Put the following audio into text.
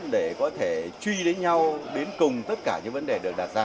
để có thể truy đến nhau đến cùng tất cả những vấn đề được đặt ra